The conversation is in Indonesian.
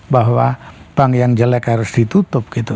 bahwa bank yang jelek harus ditutup gitu